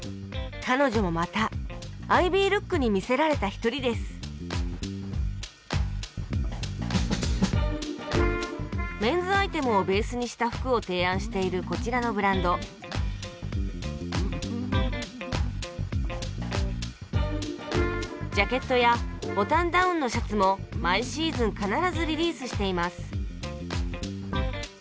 彼女もまたアイビールックに魅せられた一人ですメンズアイテムをベースにした服を提案しているこちらのブランドジャケットやボタンダウンのシャツも毎シーズン必ずリリースしています